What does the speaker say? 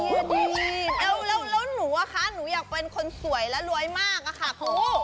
แล้วหนูอะคะหนูอยากเป็นคนสวยและรวยมากอะค่ะครู